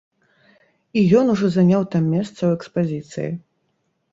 І ён ужо заняў там месца ў экспазіцыі.